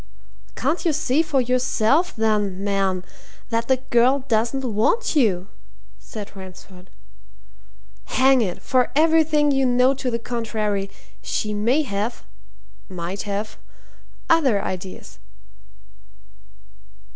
"Can't you see for yourself, then, man, that the girl doesn't want you!" said Ransford. "Hang it! for anything you know to the contrary, she may have might have other ideas!"